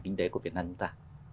kinh tế của việt nam chúng ta